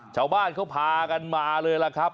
ชาวบ้านเขาพากันมาเลยล่ะครับ